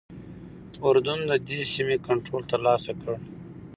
اردن ددې سیمې کنټرول ترلاسه کړ.